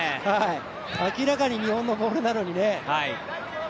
明らかに日本のボールなのにね。